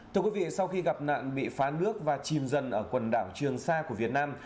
thưa quý vị sau khi gặp nạn bị phá nước và chìm dần ở quần đảo trường sa của việt nam